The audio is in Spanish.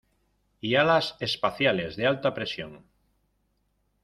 ¡ Y alas espaciales de alta presión!